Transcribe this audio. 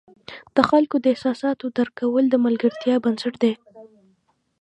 د خلکو د احساساتو درک کول د ملګرتیا بنسټ دی.